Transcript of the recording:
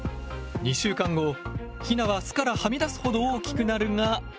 ヒナは巣からはみ出すほど大きくなるが。